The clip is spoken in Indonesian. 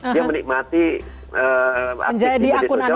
dia menikmati akses di media sosial